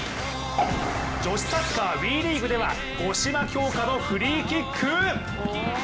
女子サッカーＷＥリーグでは、五嶋京香のフリーキック。